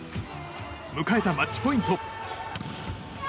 迎えたマッチポイント。